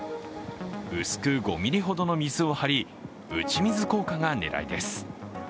薄く５ｍｍほどの水を張り打ち水効果が狙いです。